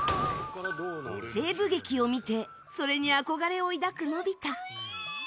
西部劇を見てそれに憧れを抱く、のび太。